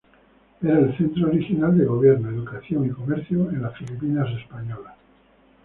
Era el centro original de gobierno, educación y comercio en las Filipinas españolas.